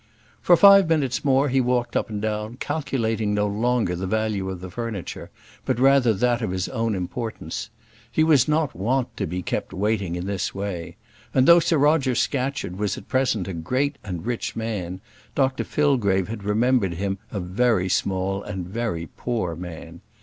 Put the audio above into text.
For five minutes more he walked up and down, calculating no longer the value of the furniture, but rather that of his own importance. He was not wont to be kept waiting in this way; and though Sir Roger Scatcherd was at present a great and rich man, Dr Fillgrave had remembered him a very small and a very poor man.